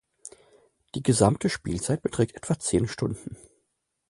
Die gesamte Spielzeit beträgt etwa zehn Stunden.